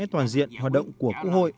toàn diện hoạt động của quốc hội